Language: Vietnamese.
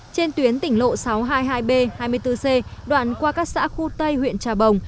trên tuyến tỉnh lộ sáu trăm hai mươi hai b hai mươi bốn c đoạn qua các xã khu tây huyện trà bồng